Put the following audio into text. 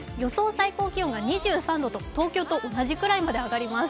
最高気温が２３度と東京と同じくらいまで上がります。